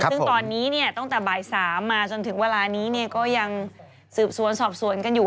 ซึ่งตอนนี้ตั้งแต่บ่าย๓มาจนถึงเวลานี้ก็ยังสืบสวนสอบสวนกันอยู่